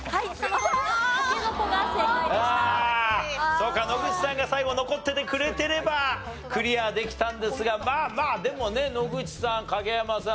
そうか野口さんが最後残っててくれてればクリアできたんですがまあまあでもね野口さん影山さん